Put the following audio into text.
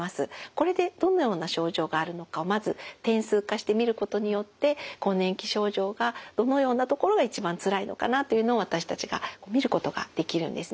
これでどのような症状があるのかをまず点数化して見ることによって更年期症状がどのようなところが一番つらいのかなというのを私たちが見ることができるんですね。